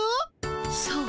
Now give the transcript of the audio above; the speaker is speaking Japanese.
そう！